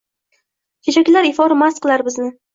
Chechaklar ifori mast qilar bizni